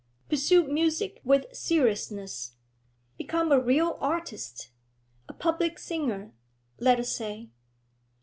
Pursue music with seriousness. Become a real artist; a public singer, let us say.